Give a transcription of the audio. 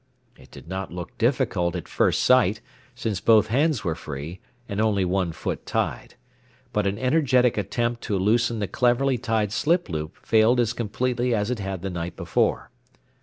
It did not look difficult at first sight, since both hands were free, and only one foot tied. But an energetic attempt to loosen the cleverly tied slip loop failed as completely as it had the night before.